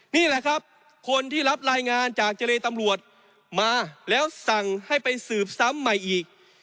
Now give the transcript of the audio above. นี่แหละครับคนที่รับรายงานจากเจรตำรวจมาแล้วสั่งให้ไปสืบซ้ำใหม่อีก